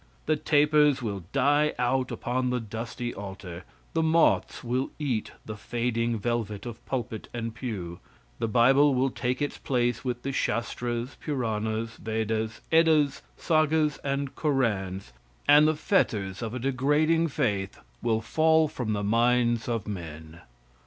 The tapers will die out upon the dusty altar; the moths will eat the fading velvet of pulpit and pew; the Bible will take its place with the Shastras, Puranas, Vedas, Eddas, Sagas and Korans, and the fetters of a degrading faith will fall from the minds of men.